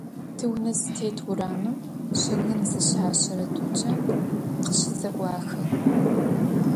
Тиунэ зытет урамым щыгъын зыщащэрэ тучан къыщызэӀуахыгъ.